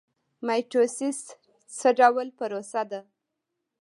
مایټوسیس څه ډول پروسه ده؟